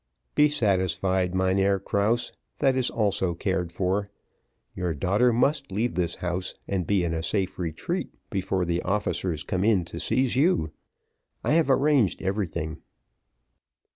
"Be satisfied, Mynheer Krause, that is also cared for, your daughter must leave this house, and be in a safe retreat before the officers come in to seize you: I have arranged everything."